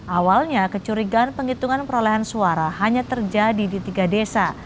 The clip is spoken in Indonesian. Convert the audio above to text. awalnya kecurigaan penghitungan perolehan suara hanya terjadi di tiga desa